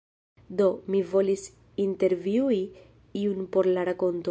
Do, mi volis intervjui iun por la rakonto.